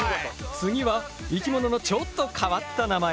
次は生き物のちょっと変わった名前。